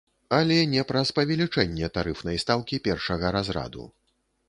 Але не праз павелічэнне тарыфнай стаўкі першага разраду.